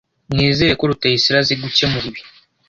Nizere ko Rutayisire azi gukemura ibi.